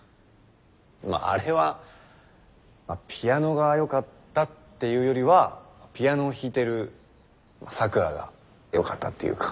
まああれはピアノが良かったっていうよりはピアノを弾いてる咲良が良かったっていうか。